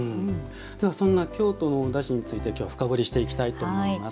そんな京都のおだしについて今日は深掘りしていきたいと思います。